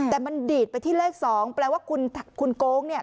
แต่มันดีดไปที่เลข๒แปลว่าคุณโก๊งเนี่ย